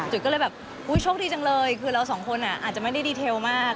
ก็เลยแบบอุ๊ยโชคดีจังเลยคือเราสองคนอาจจะไม่ได้ดีเทลมาก